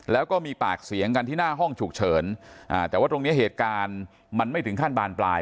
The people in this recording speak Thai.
แล้วก็มีปากเสียงกันที่หน้าห้องฉุกเฉินแต่ว่าตรงเนี้ยเหตุการณ์มันไม่ถึงขั้นบานปลาย